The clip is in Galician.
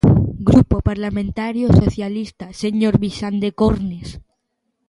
Grupo Parlamentario Socialista, señor Vixande Cornes.